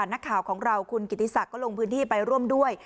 นักข่าวของเราคุณกิติศักดิ์ก็ลงพื้นที่ไปร่วมด้วย